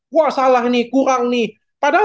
wah salah ini kurang nih padahal